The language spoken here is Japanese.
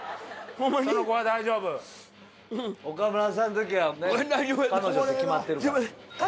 岡村さんの時はね彼女って決まってるから。